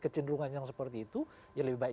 kecenderungan yang seperti itu ya lebih baik